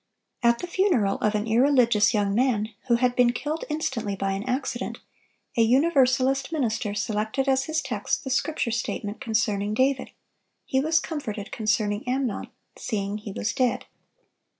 At the funeral of an irreligious young man, who had been killed instantly by an accident, a Universalist minister selected as his text the Scripture statement concerning David, "He was comforted concerning Amnon, seeing he was dead."